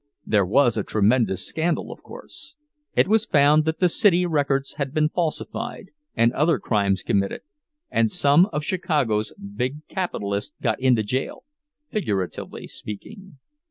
There was a tremendous scandal, of course; it was found that the city records had been falsified and other crimes committed, and some of Chicago's big capitalists got into jail—figuratively speaking.